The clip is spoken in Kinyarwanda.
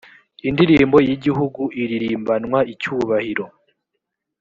indirimbo y igihugu iririmbanwa icyubahiro